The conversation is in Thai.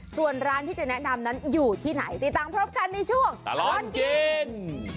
ส่วนร้านที่จะแนะนำนั้นอยู่ที่ไหนติดตามพร้อมกันในช่วงตลอดกิน